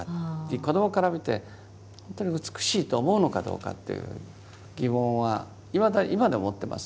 子どもから見てほんとに美しいと思うのかどうかという疑問は今でも持ってます。